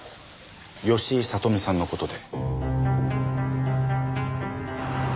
吉井聡美さんの事で。